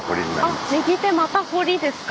あっ右手また堀ですか。